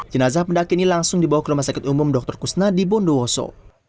jenazah pendaki ini langsung dibawa ke rumah sakit umum dr kusnadi bondowoso